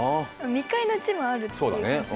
未開の地もあるっていう感じですかね。